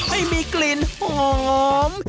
ให้มีกลิ่นหอม